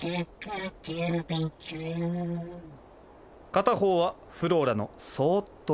片方はフローラのそうっと